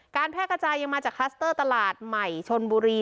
แพร่กระจายยังมาจากคลัสเตอร์ตลาดใหม่ชนบุรี